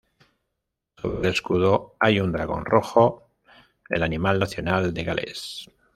Sobre el escudo hay un dragón rojo, el animal nacional de Gales.